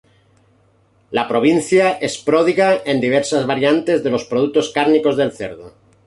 La provincia es pródiga en diversas variantes de los productos cárnicos del cerdo.